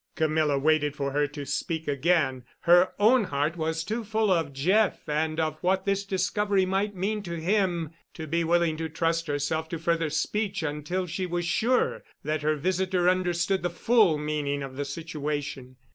Camilla waited for her to speak again. Her own heart was too full of Jeff and of what this discovery might mean to him to be willing to trust herself to further speech until she was sure that her visitor understood the full meaning of the situation.